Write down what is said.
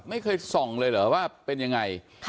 ไม่เคยส่องเลยเหรอว่าเป็นยังไง